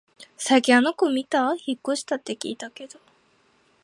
最近あの子みた？引っ越したって聞いたけど